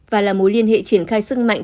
và là mối liên hệ triển khai sức mạnh